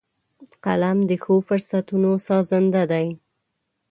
قلم د ښو فرصتونو سازنده دی